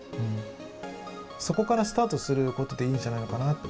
そこからスタートすることでいいんじゃないのかな。